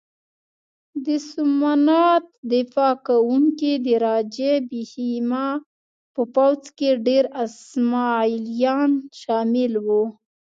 د سومنات دفاع کوونکي د راجه بهیما په پوځ کې ډېر اسماعیلیان شامل وو.